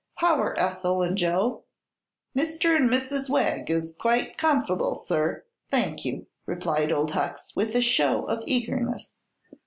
How are Ethel and Joe?" "Mr. an' Mrs. Wegg is quite comf't'ble, sir, thank you," replied old Hucks, with a show of eagerness.